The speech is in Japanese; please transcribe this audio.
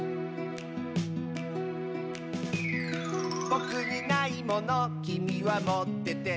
「ぼくにないものきみはもってて」